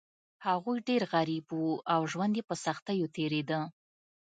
هغوی ډیر غریب وو او ژوند یې په سختیو تیریده.